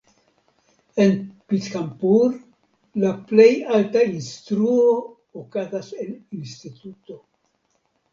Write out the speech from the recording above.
En Pithampur la plej alta instruo okazas en instituto.